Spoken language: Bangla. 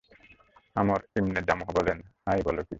আমর ইবনে জামূহ বললেন, হায় বল কী?